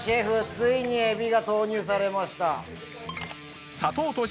ついにエビが投入されました。